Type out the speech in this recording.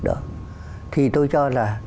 đó thì tôi cho là